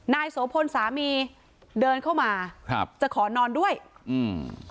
โสพลสามีเดินเข้ามาครับจะขอนอนด้วยอืม